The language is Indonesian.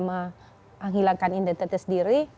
menghilangkan identitas diri